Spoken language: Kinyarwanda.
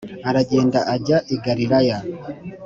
aragenda ajya i Galilaya